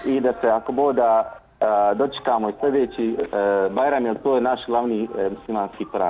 ida seakuboda docikamu istrici bayram yaltu nasi launi mesima fitra